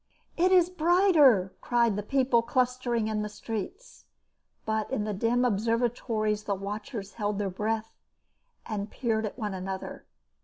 "It is brighter!" cried the people clustering in the streets. But in the dim observatories the watchers held their breath and peered at one another.